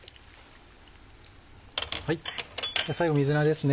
最後水菜ですね